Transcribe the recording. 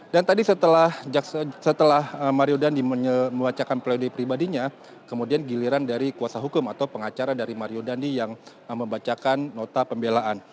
dan tadi setelah mario dandi membacakan pleode pribadinya kemudian giliran dari kuasa hukum atau pengacara dari mario dandi yang membacakan nota pembelaan